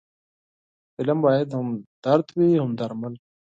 فلم باید هم درد وي، هم درمل